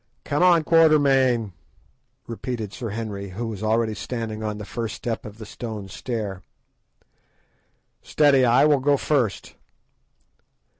"Come on, Quatermain," repeated Sir Henry, who was already standing on the first step of the stone stair. "Steady, I will go first."